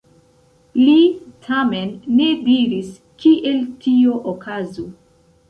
Li tamen ne diris, kiel tio okazu.